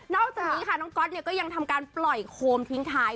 อกจากนี้ค่ะน้องก๊อตก็ยังทำการปล่อยโคมทิ้งท้าย